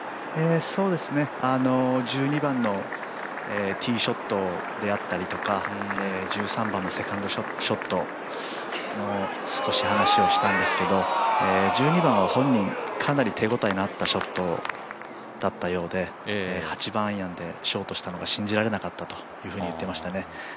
１２番のティーショットであったりとか１３番のセカンドショットの話を少ししたんですけど１２番は本人かなり手応えがあったショットだったようで８番アイアンでショートしたのが信じられなかったと言ってましたね。